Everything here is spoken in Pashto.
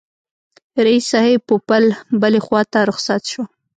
رییس صاحب پوپل بلي خواته رخصت شو.